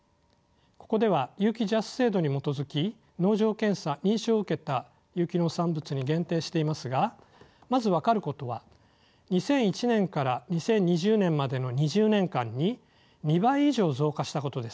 ここでは有機ＪＡＳ制度に基づき農場検査認証を受けた有機農産物に限定していますがまず分かることは２００１年から２０２０年までの２０年間に２倍以上増加したことです。